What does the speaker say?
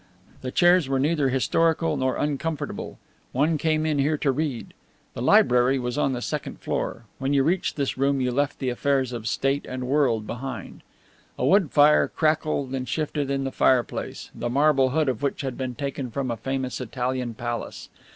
The chairs were neither historical nor uncomfortable. One came in here to read. The library was on the second floor. When you reached this room you left the affairs of state and world behind. A wood fire crackled and shifted in the fireplace, the marble hood of which had been taken from a famous Italian palace.